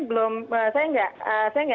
belum saya enggak saya